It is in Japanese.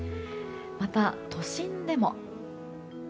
また、都心でも。